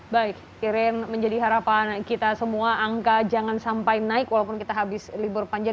baik iren menjadi harapan kita semua angka jangan sampai naik walaupun kita habis libur panjang